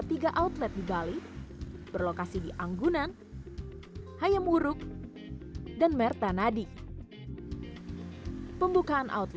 tiga outlet di bali berlokasi di anggunan hai hayam wuruk dan merta nadi pembukaan outlet di